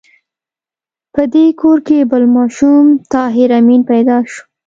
په دې کور کې بل ماشوم طاهر آمین پیدا شو